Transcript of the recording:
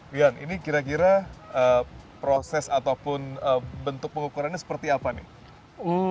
rian ini kira kira proses ataupun bentuk pengukurannya seperti apa nih